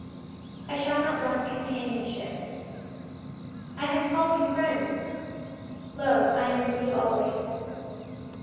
I shall not want companionship. "I have called you friends." "Lo, I am with you always."